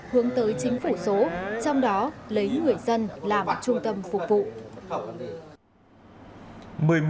hướng tới chính phủ số trong đó lấy người dân làm trung tâm phục vụ